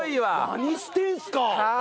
何してんすか！